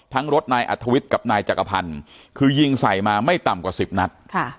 รถนายอัธวิทย์กับนายจักรพันธ์คือยิงใส่มาไม่ต่ำกว่า๑๐นัด